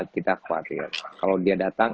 kita khawatir kalau dia datang